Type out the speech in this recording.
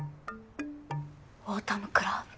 オータムクラブ？